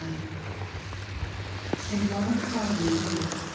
46 And why call ye me.